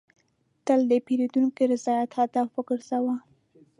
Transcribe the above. تل د پیرودونکي رضایت هدف وګرځوه.